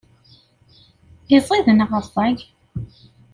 Iziḍ neɣ rẓag?